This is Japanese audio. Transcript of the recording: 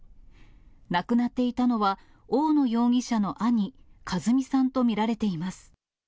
亡くなっていたのは、大野容疑者の兄、和巳さんと見られています。